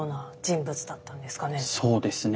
そうですね。